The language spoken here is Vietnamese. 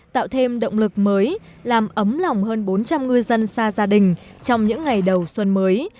tạo thêm động lực mới làm ấm lòng hơn bốn trăm linh ngư dân xa gia đình trong những ngày đầu xuân mới